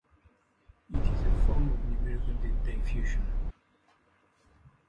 It is a form of numerical diffusion.